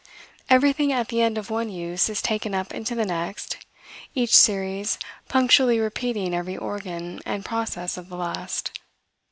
Everything, at the end of one use, is taken up into the next, each series punctually repeating every organ and process of the last.